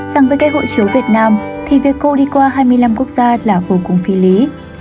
rằng với cái hội chiếu việt nam thì việc cô đi qua hai mươi năm quốc gia là vô cùng phi lý